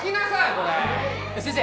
これ先生